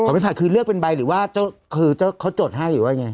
ไม่ผัดคือเลือกเป็นใบหรือว่าเขาจดให้หรือว่ายังไง